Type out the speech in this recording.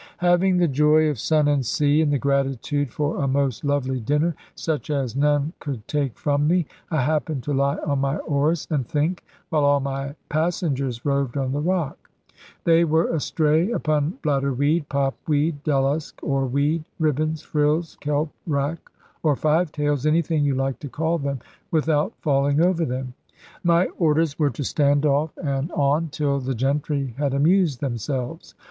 Having the joy of sun and sea, and the gratitude for a most lovely dinner, such as none could take from me, I happened to lie on my oars and think, while all my passengers roved on the rock. They were astray upon bladder weed, pop weed, dellusk, oar weed, ribbons, frills, kelp, wrack, or five tails anything you like to call them, without falling over them. My orders were to stand off and on, till the gentry had amused themselves.